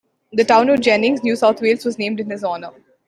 The town of Jennings, New South Wales was named in his honour.